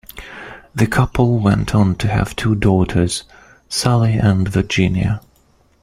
The couple went on to have two daughters, Sally and Virginia.